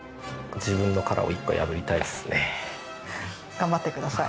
頑張ってください。